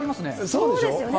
そうでしょう。